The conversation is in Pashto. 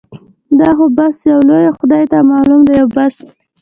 دا خو بس يو لوی خدای ته معلوم دي او بس.